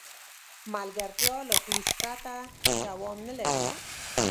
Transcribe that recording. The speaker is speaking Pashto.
ملګرتیا له خلوص پرته دوام نه لري.